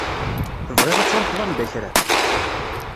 Tebɣiḍ ad truḥeḍ anda kra?